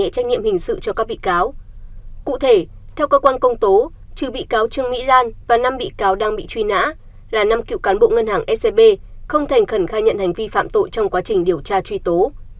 cụ thể theo cơ quan công tố trừ bị cáo trương mỹ lan và năm bị cáo đang bị truy nã là năm cựu cán bộ ngân hàng scb không thành khẩn khai nhận hành vi phạm tội trong quá trình điều tra truy tố